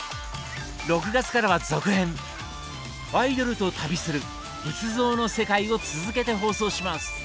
６月からは続編「アイドルと旅する仏像の世界」を続けて放送します！